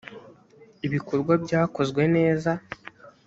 ibikorwa byakozwe neza.